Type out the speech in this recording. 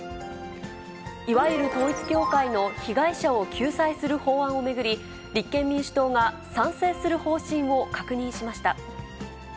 いわゆる統一教会の被害者を救済する法案を巡り、立憲民主党が賛成する方針を確認しました。